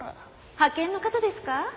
派遣の方ですか？